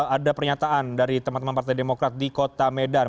ada pernyataan dari teman teman partai demokrat di kota medan